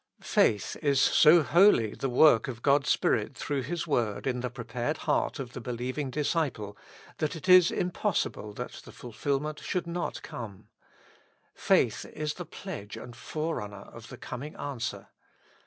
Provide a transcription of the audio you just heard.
Faith is so wholly the work of God's Spirit through His word in the prepared heart of the be lieving disciple, that it is impossible that the fulfil ment should not come ; faith is the pledge and forerunner of the coming answer.